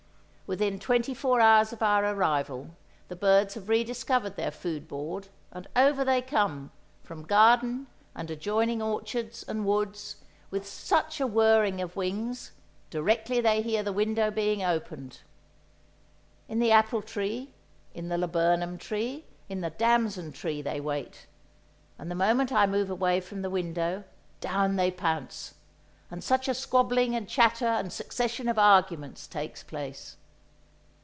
Within twenty four hours of our arrival, the birds have re discovered their food board, and over they come, from garden and adjoining orchards and woods, with such a whirring of wings, directly they hear the window being opened. In the apple tree, in the laburnum tree, in the damson tree they wait, and the moment I move away from the window, down they pounce, and such a squabbling and chatter and succession of arguments takes place.